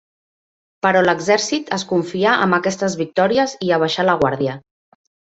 Però l'exèrcit es confià amb aquestes victòries i abaixà la guàrdia.